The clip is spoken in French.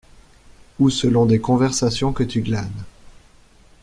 Ou selon des conversations que tu glanes.